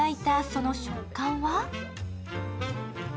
その食感は？